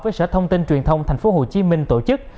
với sở thông tin truyền thông tp hcm tổ chức